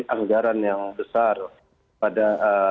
anggaran yang besar pada